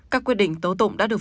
các quyết định tố tụng đã được